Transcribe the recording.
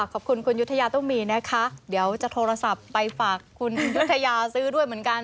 ขอบคุณคุณยุธยาตุ้มมีนะคะเดี๋ยวจะโทรศัพท์ไปฝากคุณยุธยาซื้อด้วยเหมือนกัน